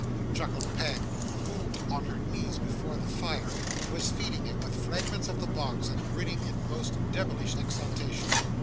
chuckled Peg, who, on her knees before the fire, was feeding it with fragments of the box, and grinning in most devilish exultation.